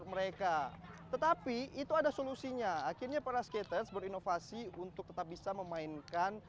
mereka tetapi itu ada solusinya akhirnya para skaters berinovasi untuk tetap bisa memainkan